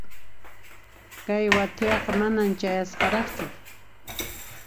Kay wathiaqa mana chayasqaraqchu.